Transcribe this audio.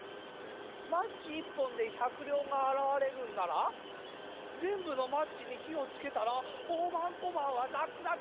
マッチ１ぽんで１００りょうがあらわれるんならぜんぶのマッチにひをつけたらおおばんこばんはザックザク。